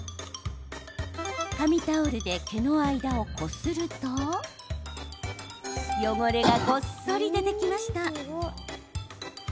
紙タオルで毛の間をこすると汚れがごっそりと出てきました。